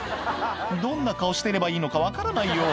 「どんな顔してればいいのか分からないよ」